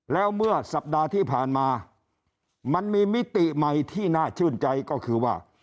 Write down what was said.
แล้วเมื่อสัปดาห์ที่ผ่านมามันมีมิติใหม่ที่น่าชื่นใจก็คือว่า